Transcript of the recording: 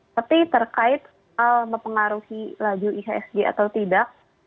tapi terkait hal mempengaruhi laju ihsg atau tidak